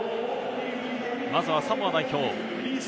まずはサモア代表。